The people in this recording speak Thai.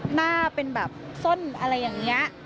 หน้าเป็นแบบส้นอะไรอย่างนี้